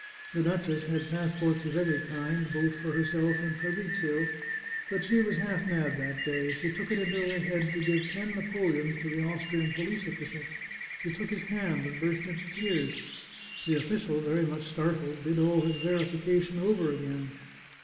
The duchess had passports of every kind, both for herself and Fabrizio, but she was half mad that day ; she took it into her head to give ten napoleons to the Austrian police official ; she took his hand and burst into tears. The official, very much startled, did all his verifica tion over again.